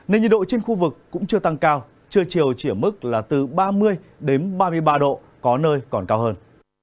nên nhiệt độ trên khu vực cũng chưa tăng cao trưa chiều chỉ ở mức là từ ba mươi đến ba mươi ba độ có nơi còn cao hơn